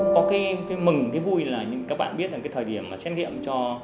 có cái mừng cái vui là các bạn biết là cái thời điểm mà xét nghiệm cho